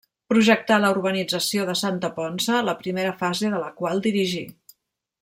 Projectà la urbanització de Santa Ponça, la primera fase de la qual dirigí.